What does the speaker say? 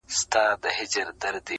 روغتیا نصیب کړه